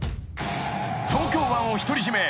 ［東京湾を独り占め］